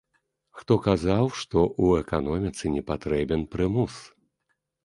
Хто казаў, што ў эканоміцы не патрэбен прымус?